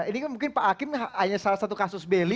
ini kan mungkin pak hakim hanya salah satu kasus beli